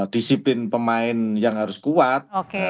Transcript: disiplin pemain yang harus kuat